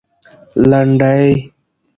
لنډۍ